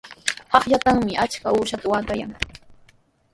Hallqatrawmi achka uushaata waatayan.